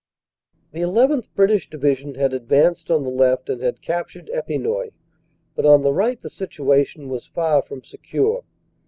"The llth. British Division had advanced on the left and had captured Epinoy, but on the right the situation was far from secure.